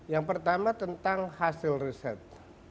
yang pertama tentang hasil riset